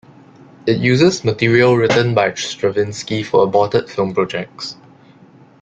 It uses material written by Stravinsky for aborted film projects.